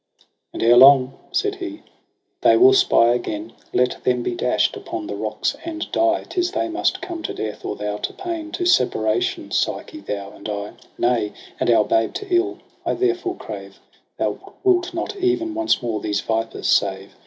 ' And ere long,' said he, ' they will spy again : Let them be dash'd upon the rocks and die 5 'Tis they must come to death or thou to pain. To separation. Psyche, thou and I ; Nay, and our babe to ill. I therefore crave Thou wilt not even once more these vipers save.